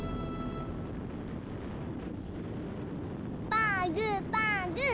パーグーパーグー。